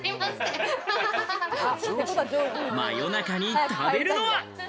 夜中に食べるのは。